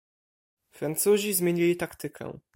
"Francuzi zmienili taktykę."